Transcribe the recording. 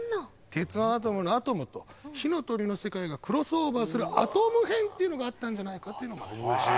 「鉄腕アトム」のアトムと「火の鳥」の世界がクロスオーバーする「アトム編」っていうのがあったんじゃないかというのもありました。